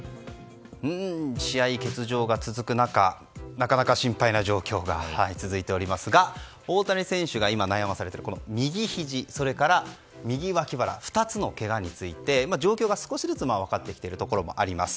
試合欠場が続く中なかなか心配な状況が続いておりますが、大谷選手が今悩まされている右ひじ、それから右脇腹２つのけがについて状況が少しずつ分かってきているところもあります。